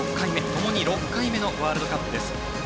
ともに６回目のワールドカップです。